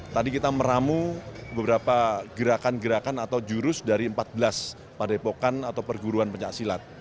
tadi kita meramu beberapa gerakan gerakan atau jurus dari empat belas padepokan atau perguruan pencaksilat